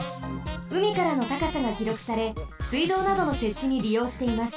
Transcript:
うみからのたかさがきろくされ水道などのせっちにりようしています。